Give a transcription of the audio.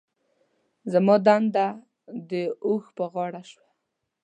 زما دنده د اوښ په غاړه شوه.